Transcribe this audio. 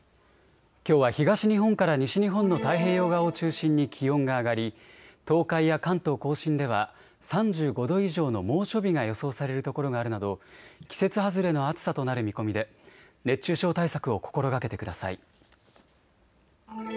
きょうは東日本から西日本の太平洋側を中心に気温が上がり東海や関東甲信では３５度以上の猛暑日が予想されるところがあるなど季節外れの暑さとなる見込みで熱中症対策を心がけてください。